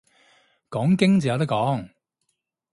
講經就有得講